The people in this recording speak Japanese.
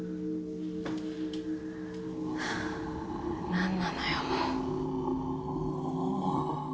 ・・何なのよもう。